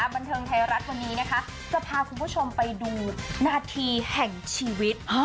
บันเทิงไทยรัฐวันนี้นะคะจะพาคุณผู้ชมไปดูนาทีแห่งชีวิต